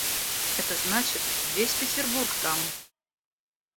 Это значит — весь Петербург там.